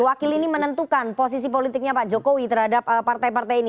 wakil ini menentukan posisi politiknya pak jokowi terhadap partai partai ini